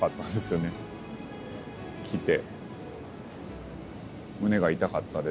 来て。